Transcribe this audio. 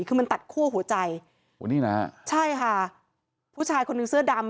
คือมันตัดคั่วหัวใจโอ้นี่นะฮะใช่ค่ะผู้ชายคนนึงเสื้อดำ